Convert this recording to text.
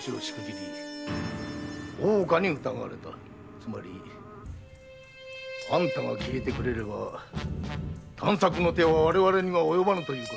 つまりあんたが消えてくれれば探索は我々には及ばぬということだ。